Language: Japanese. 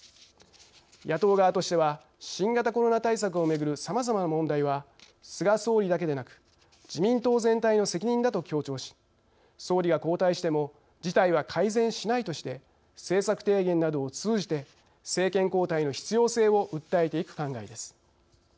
野党側としては新型コロナ対策をめぐるさまざまな問題は菅総理だけでなく自民党全体の責任だと強調し総理が交代しても事態は改善しないとして政策提言などを通じて政権交代の必要性を訴えていく考えです。